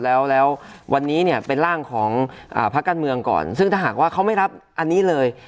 แล้ววันนี้เนี่ยเป็นร่างของพักการเมืองก่อนซึ่งถ้าหากว่าเขาไม่รับอันนี้เลย